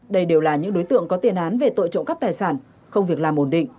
đây đều là những đối tượng có tiền án về tội trộm cắp tài sản không việc làm ổn định